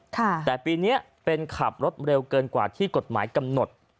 แต่ปีนี้เป็นขับรถเร็วเกินกว่าที่กฎหมายกำหนด